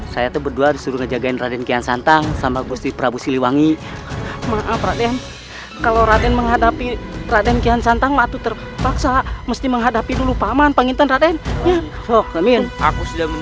selassie terima kasih ya kamu telah menyelamatkan ibu indah